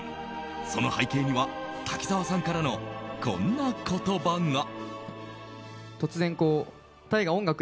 その背景には、滝沢さんからのこんな言葉が。